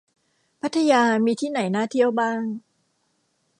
พัทยามีที่ไหนน่าเที่ยวบ้าง